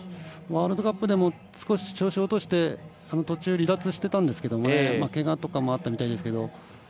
ワールドカップでも少し調子を落として途中離脱してたんですけどけがとかもあったみたいですけど。